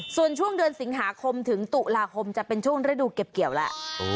ส่วนช่วงเดือนสิงหาคมถึงตุลาคมจะเป็นช่วงฤดูเก็บเกี่ยวแล้ว